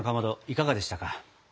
いかがでしたか？